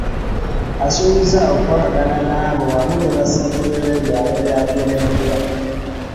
Asuubizza okukolagana n'abo wamu ne bassentebe b'ebyalo by'akulembera